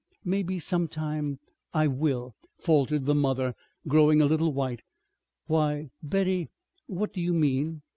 "Maybe sometime I will!" faltered the mother, growing a little white. "Why, Betty, what do you mean?"